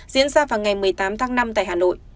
diễn ra vào ngày một mươi tám tháng năm tại hà nội